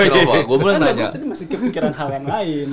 tapi masih kepikiran hal yang lain